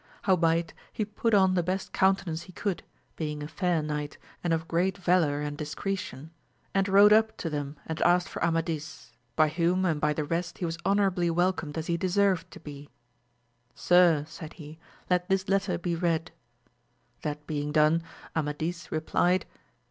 Howbeit he put on the best countenance he could, being a fair knight, and of great valour and discretion, and rode up to them and asked for Amadis, by whom and by the rest he was honourably welcomed as he deserved to be. Sir, said he, let this letter be read. That being done, Amadis replied.